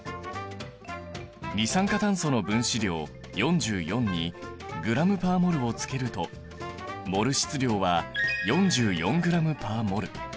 二酸化炭素の分子量４４にｇ／ｍｏｌをつけるとモル質量は４４ｇ／ｍｏｌ。